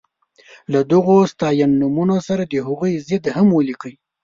له دغو ستاینومونو سره د هغوی ضد هم ولیکئ.